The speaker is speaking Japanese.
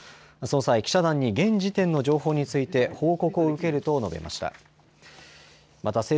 その際、記者団に現時点の情報について報告を受けると述べました。